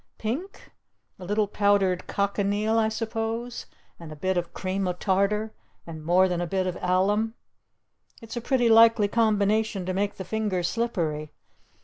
Pink? A little powdered Cochineal, I suppose? And a bit of Cream o' Tartar? And more than a bit of Alum? It's a pretty likely combination to make the fingers slippery.